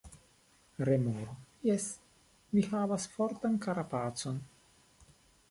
Remoro: "Jes, vi havas fortan karapacon."